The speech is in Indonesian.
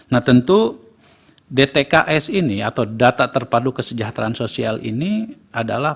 nah tentu dtks ini atau data terpadu kesejahteraan sosial ini adalah